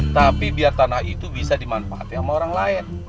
tapi biar tanah itu bisa dimanfaatkan sama orang lain